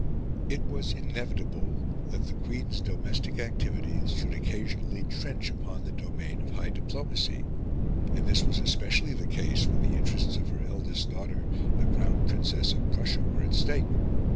It was inevitable that the Queen's domestic activities should occasionally trench upon the domain of high diplomacy; and this was especially the case when the interests of her eldest daughter, the Crown Princess of Prussia, were at stake.